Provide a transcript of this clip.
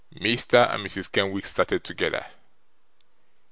Mr. and Mrs. Kenwigs started together.